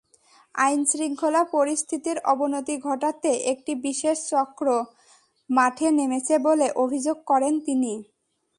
আইনশৃঙ্খলা পরিস্থিতির অবনতি ঘটাতে একটি বিশেষ চক্র মাঠে নেমেছে বলে অভিযোগ করেন তিনি।